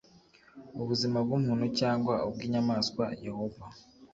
Ubuzima bw umuntu cyangwa ubw inyamaswa Yehova